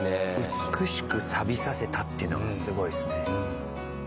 美しくさびさせたっていうのがすごいですね。